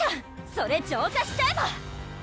それ浄化しちゃえば！